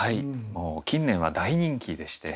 近年は大人気でして。